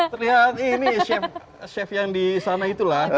terlihat ini chef yang disana itulah